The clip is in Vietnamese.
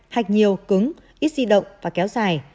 hạch nhiều cứng ít di động và kéo dài